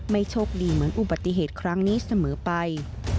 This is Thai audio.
โชคดีเหมือนอุบัติเหตุครั้งนี้เสมอไป